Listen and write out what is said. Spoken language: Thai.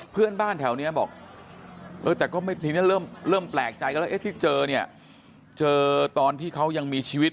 เพื่อนบ้านแถวนี้บอกเออแต่ก็ไม่ทีนี้เริ่มแปลกใจกันแล้วเอ๊ะที่เจอเนี่ยเจอตอนที่เขายังมีชีวิต